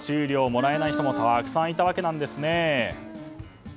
もらえない人もたくさんいたわけなんですね。